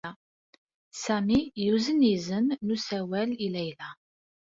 Sami yuzen izen n usawal i Layla.